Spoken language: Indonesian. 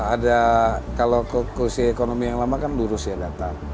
ada kalau kursi ekonomi yang lama kan lurus ya datang